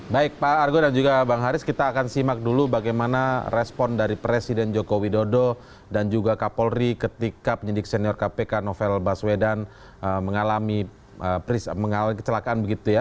baik pak argo dan juga bang haris kita akan simak dulu bagaimana respon dari presiden joko widodo dan juga kapolri ketika penyidik senior kpk novel baswedan mengalami kecelakaan begitu ya